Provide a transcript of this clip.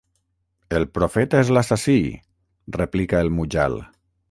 El profeta és l'assassí —replica el Mujal.